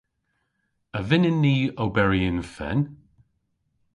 A vynnyn ni oberi yn fen?